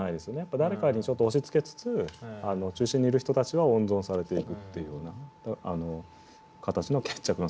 誰かにちょっと押しつけつつ中心にいる人たちは温存されていくっていうような形の決着のつけ方ですよね。